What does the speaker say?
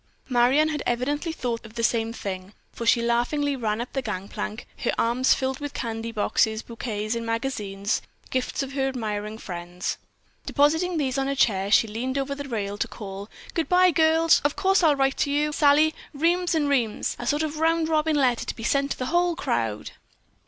Marion had evidently thought of the same thing, for she laughingly ran up the gang plank, her arms filled with candy boxes, boquets and magazines, gifts of her admiring friends. Depositing these on a chair, she leaned over the rail to call: "Good bye, girls! Of course I'll write to you, Sally, reams and reams; a sort of a round robin letter to be sent to the whole crowd.